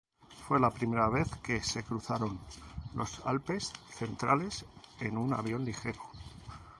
Fue la primera vez que se cruzaron los Alpes centrales en un avión ligero.